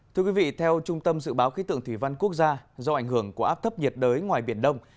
thưa quý vị theo trung tâm dự báo khí tượng thủy văn quốc gia do ảnh hưởng của áp thấp nhiệt đới ngoài biển đông